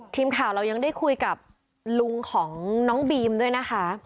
ทีมข่าวเรายังได้คุยกับลุงของน้องบีมด้วยนะคะ